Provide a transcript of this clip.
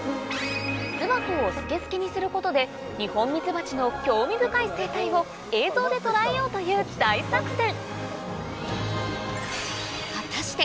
巣箱をスケスケにすることでニホンミツバチの興味深い生態を映像で捉えようという大作戦！